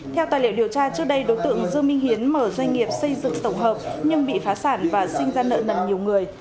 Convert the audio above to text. theo tài liệu điều tra trước đây đối tượng dương minh hiến mở doanh nghiệp xây dựng tổng hợp nhưng bị phá sản và sinh ra nợ nần nhiều người